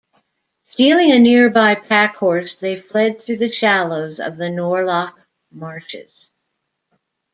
Stealing a nearby pack-horse they fled through the shallows of the Nor Loch marshes.